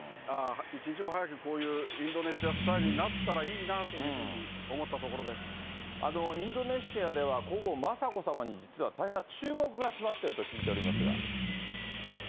一日も早く、こういうインドネシアスタイルになったらいいなというふうに思っインドネシアでは、皇后雅子さまに、実は大変な注目が集まってると聞いておりますが。